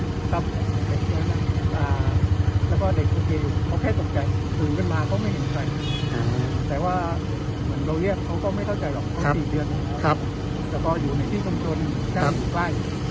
เครื่องยังไม่ดับครับแล้วก็เด็กโอเค